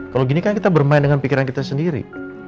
kalau gini kan kita bermain dengan pikiran kita sendiri